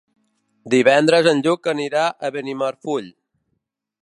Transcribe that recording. Divendres en Lluc anirà a Benimarfull.